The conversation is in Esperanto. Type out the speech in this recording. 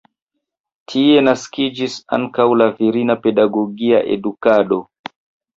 Tie naskiĝis ankaŭ la virina pedagogia edukado.